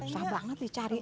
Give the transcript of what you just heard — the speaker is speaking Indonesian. susah banget nih carinya